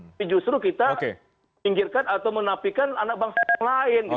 tapi justru kita pinggirkan atau menapikan anak bangsa yang lain